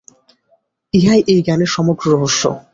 ইহাই এই জ্ঞানের সমগ্র রহস্য।